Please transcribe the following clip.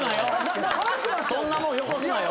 そんなもんよこすなよ。